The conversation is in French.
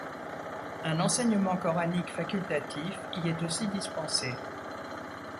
Un enseignement coranique facultatif y est aussi dispensé.